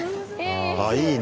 あいいね。